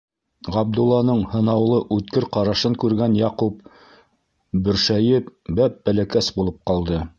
Ғабдулланың һынаулы үткер ҡарашын күргән Яҡуп, бөршәйеп, бәп-бәләкәс булып ҡалды.